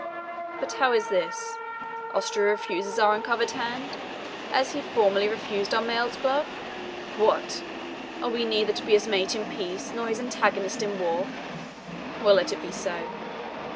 But how is this? Austria refuses our uncovered hand, as he formerly refused our mailed glove? What! are we neither to be his mate in peace nor his antagonist in war? Well, let it be so.